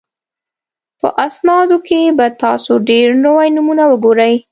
په اسنادو کې به تاسو ډېر نوي نومونه وګورئ.